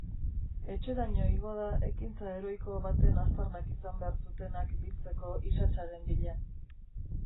Etxeraino igo da ekintza heroiko baten aztarnak izan behar zutenak biltzeko isatsaren bila.